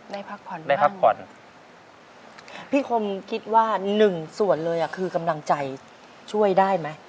ได้พักผ่อนบ้างครับพี่คมคิดว่า๑ส่วนเลยคือกำลังใจช่วยได้ไหม